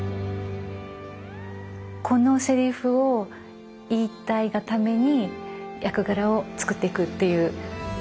このセリフを言いたいがために役柄をつくっていくっていう。